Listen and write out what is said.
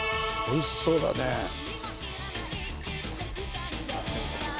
おいしそうだね。